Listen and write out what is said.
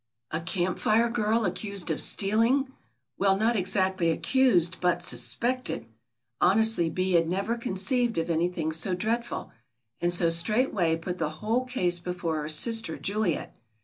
"A Camp Fire girl accused of stealing, well not exactly accused but suspected!" Honestly Bee had never conceived of anything so dreadful, and so straightway put the whole case before her sister, Juliet.